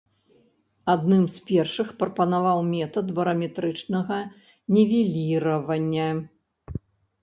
Адным з першых прапанаваў метад бараметрычнага нівеліравання.